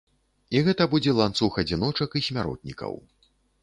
І гэта будзе ланцуг адзіночак і смяротнікаў.